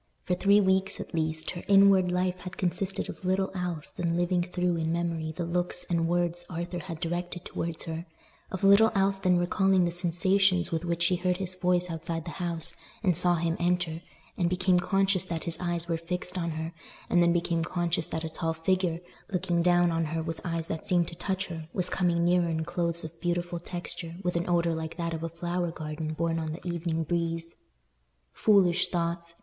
For three weeks, at least, her inward life had consisted of little else than living through in memory the looks and words Arthur had directed towards her—of little else than recalling the sensations with which she heard his voice outside the house, and saw him enter, and became conscious that his eyes were fixed on her, and then became conscious that a tall figure, looking down on her with eyes that seemed to touch her, was coming nearer in clothes of beautiful texture with an odour like that of a flower garden borne on the evening breeze. Foolish thoughts!